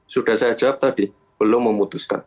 sudah saya jawab tadi belum memutuskan